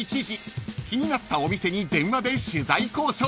［気になったお店に電話で取材交渉］